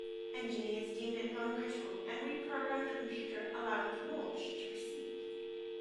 Engineers deemed it non-critical and reprogrammed the computer, allowing the launch to proceed.